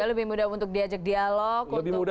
lebih mudah untuk diajak dialog untuk